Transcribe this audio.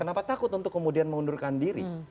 kenapa takut untuk kemudian mengundurkan diri